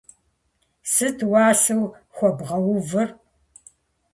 Сыт уасэу хуэбгъэувыр?